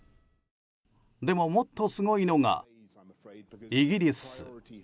でも、もっとすごいのがイギリス。